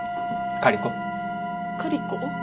カリコ？